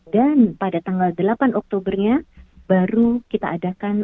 dan pada tanggal delapan oktobernya baru kita adakan